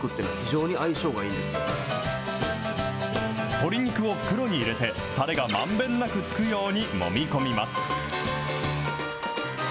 鶏肉を袋に入れて、たれがまんべんなくつくようにもみ込みます。